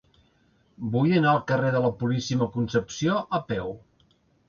Vull anar al carrer de la Puríssima Concepció a peu.